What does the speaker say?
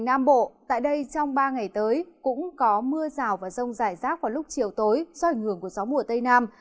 nam bộ tại đây trong ba ngày tới cũng có mưa rào và rông rải rác vào lúc chiều tối do ảnh hưởng của gió mùa tây nam